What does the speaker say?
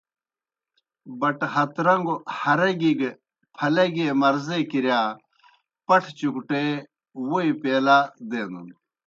بَٹ ہَترن٘گو ہَرَگیْ گہ پھلَگیْ مرضے کِرِیا پٹھہ چُکٹے ووئی پیالہ دینَن۔